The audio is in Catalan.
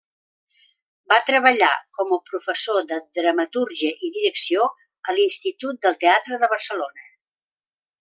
Va treballar com a professor de dramatúrgia i direcció a l'Institut del Teatre de Barcelona.